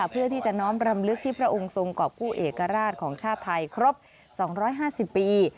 เพื่อที่จะน้อมรำลึกที่พระองค์ทรงกรอบกู้เอกราชของชาติไทยครบ๒๕๐ปี